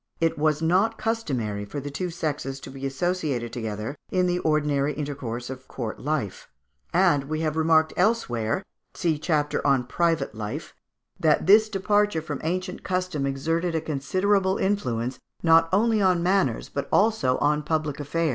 it was not customary for the two sexes to be associated together in the ordinary intercourse of court life; and we have elsewhere remarked (see chapter on Private Life) that this departure from ancient custom exerted a considerable influence, not only on manners, but also on public affairs.